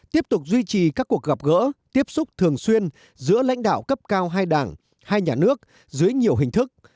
tiếp tục duy trì các cuộc gặp gỡ tiếp xúc thường xuyên giữa lãnh đạo cấp cao hai đảng hai nhà nước dưới nhiều hình thức